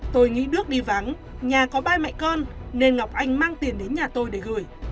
tôi nghĩ nước đi vắng nhà có ba mẹ con nên ngọc anh mang tiền đến nhà tôi để gửi